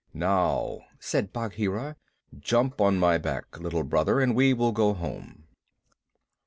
"Now," said Bagheera, "jump on my back, Little Brother, and we will go home."